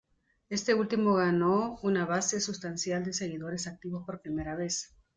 Este último ganó una base sustancial de seguidores activos por primera vez.